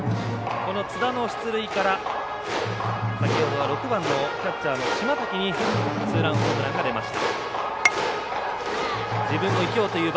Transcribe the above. この津田の出塁から先ほどは６番のキャッチャーの島瀧にツーランホームランがでました。